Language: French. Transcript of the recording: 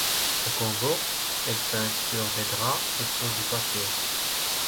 Au Congo, elle peint sur des draps et sur du papier.